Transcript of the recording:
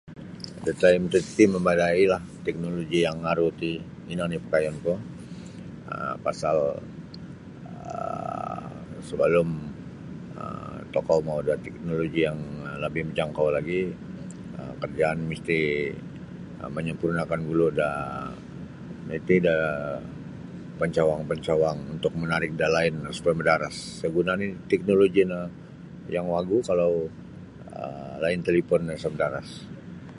Da taim titi mamadailah teknoloji yang aru ti ino nio pakayunku um pasal um sebelum um tokou mau da teknoloji yang labih majangkau lagi um kerajaan misti menyempurnakan gulu da nu it da pencawang-pencawang untuk menarik da line supaya madaras isa guna nini teknoloji no yang wagu um kalau line talipon sa madaras.